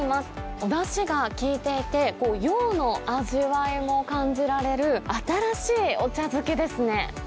おだしが効いていて、洋の味わいも感じられる、新しいお茶漬けですね。